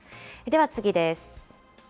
では次です。